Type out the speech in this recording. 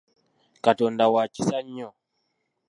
Katonda wa kisa nnyo.